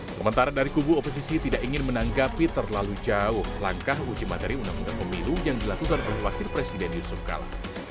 sementara dari kubu oposisi tidak ingin menanggapi terlalu jauh langkah uji materi undang undang pemilu yang dilakukan oleh wakil presiden yusuf kala